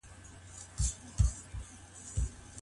ای خلګو، خپلو ښځو ته حقوق ورکړئ.